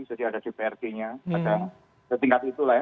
jadi ada dprd nya ada setingkat itulah ya